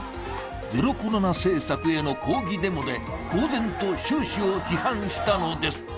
ゼロコロナ政策への抗議デモで、公然と習氏を批判したのです。